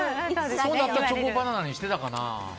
そうなったらチョコバナナにしてたかな。